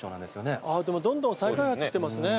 どんどん再開発してますね。